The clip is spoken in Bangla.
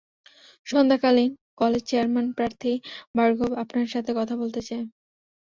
সন্ধ্যাকালীন কলেজ চেয়ারম্যানপ্রার্থী বার্গভ আপনার সাথে কথা বলতে চায়।